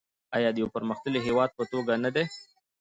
آیا د یو پرمختللي هیواد په توګه نه دی؟